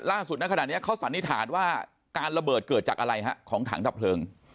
ในขณะนี้เขาสันนิษฐานว่าการระเบิดเกิดจากอะไรฮะของถังดับเพลิง